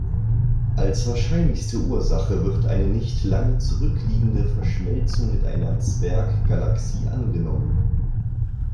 Als wahrscheinlichste Ursache wird eine nicht lange zurückliegende Verschmelzung mit einer Zwerggalaxie angenommen.